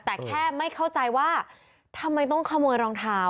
แต่แค่ไม่เข้าใจว่าทำไมต้องขโมยรองเท้า